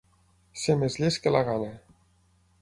Ser més llest que la gana.